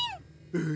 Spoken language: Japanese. え？